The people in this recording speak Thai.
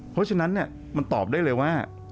เพราะฉะนั้นมันตอบได้เลยว่า